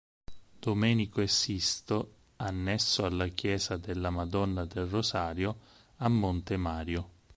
Domenico e Sisto, annesso alla chiesa della Madonna del Rosario, a Monte Mario.